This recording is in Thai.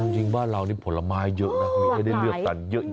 จริงบ้านเรานี่ผลไม้เยอะนะมีให้ได้เลือกกันเยอะ